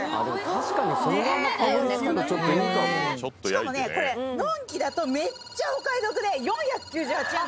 しかもこれドンキだとめっちゃお買い得で４９８円なの。